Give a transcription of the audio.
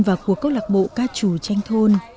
và của cốc lạc bộ ca chủ tranh thôn